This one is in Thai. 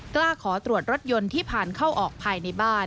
กล้าขอตรวจรถยนต์ที่ผ่านเข้าออกภายในบ้าน